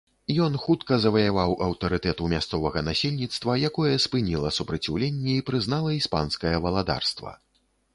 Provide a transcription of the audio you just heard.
Ён хутка заваяваў аўтарытэт у мясцовага насельніцтва, якое спыніла супраціўленне і прызнала іспанскае валадарства.